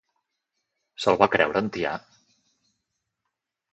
Se'l va creure en Tià?